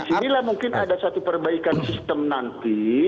nah di sini lah mungkin ada satu perbaikan sistem nanti